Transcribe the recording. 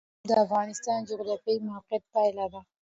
اقلیم د افغانستان د جغرافیایي موقیعت پایله ده.